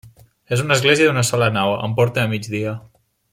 És una església d'una sola nau, amb porta a migdia.